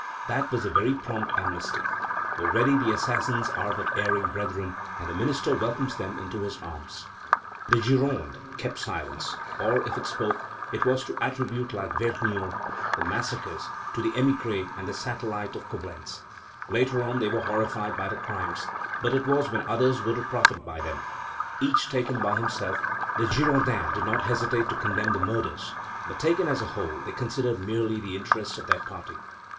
That was a very prompt amnesty. Already the assassins are but erring brethren, and the minister welcomes them to his arms! The Gironde kept silence, or, if it spoke, it was to attribute, like Vergniaud, the massacres "to the émigrés and the satellites of Coblentz." Later on, they were horrified by the crimes, but it was when others were to profit by them. Each taken by himself, the Girondins did not hesitate to condemn the murders; but taken as a whole, they considered merely the interests of their party.